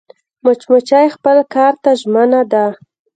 مچمچۍ خپل کار ته ژمنه ده